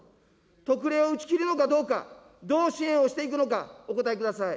特例を打ち切るのかどうか、どう支援をしていくのか、お答えください。